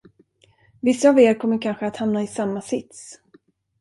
Vissa av er kommer kanske att hamna i samma sits.